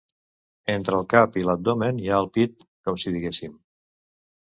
Entre el cap i l'abdomen hi ha el pit, com si diguéssim.